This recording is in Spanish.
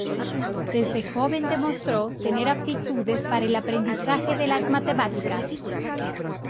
Desde joven demostró tener aptitudes para el aprendizaje de las matemáticas.